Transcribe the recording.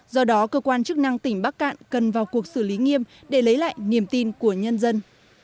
do đó cơ quan chức năng tỉnh bắc cạn cần vào cuộc xử lý nghiêm để lấy lại niềm tin của nhân dân